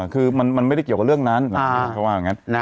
คือมันไม่ได้เกี่ยวกับเรื่องนั้นเขาว่าอย่างนั้น